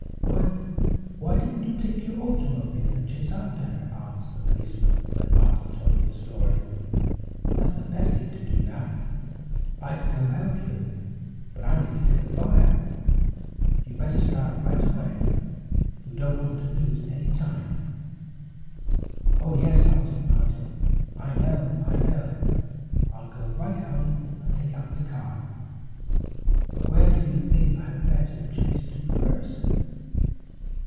"Why, why didn't you take your automobile and chase after her?" asked the policeman when Martin told him the story. "That's the best thing to do now. I'd go help you but I'm needed at the fire. You'd better start right away, you don't want to lose any time." "Oh, yes," answered Martin, "I know. I know. I'll go right home and take out the car but where do you think I had better chase to first?"